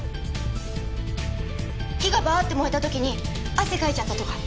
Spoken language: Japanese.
火がバーッて燃えた時に汗かいちゃったとか？